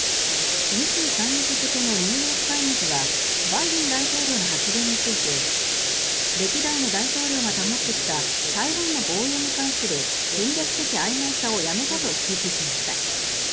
２３日付のニューヨーク・タイムズはバイデン大統領の発言について歴代の大統領が保ってきた台湾の防衛に関する戦略的あいまいさをやめたと指摘しました。